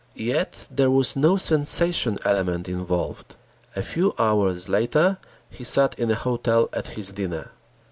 Yet there was no sensation element involved. A few hours later, he sat in a hotel at his dinner.